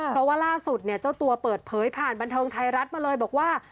เพราะว่าล่าสุดเนี่ยเจ้าตัวเปิดเผยผ่านบันเทิงไทยรัฐมาเลยบอกว่า